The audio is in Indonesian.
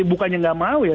bukannya tidak mau ya